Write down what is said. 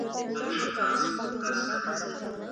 که غوا مو درلودای نو اوس به مې کوچ درته راوړي وو.